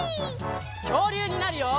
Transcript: きょうりゅうになるよ！